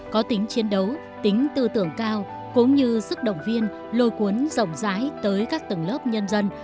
có tính chiến đấu tính tư tưởng cao cũng như sức động viên lôi cuốn rộng rãi tới các tầng lớp nhân dân